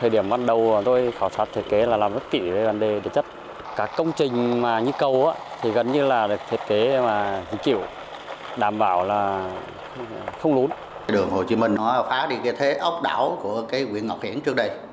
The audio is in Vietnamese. đường hồ chí minh phá đi thế ốc đảo của huyện ngọc hiển trước đây